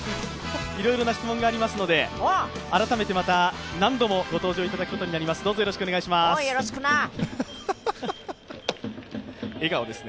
いろいろな質問がありますので改めてまた何度もご登場いただくことになります。